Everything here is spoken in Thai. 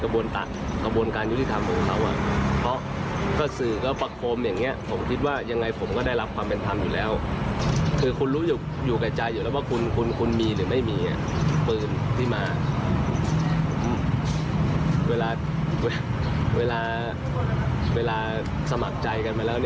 เวลาสมัครใจมาแล้วเนี่ย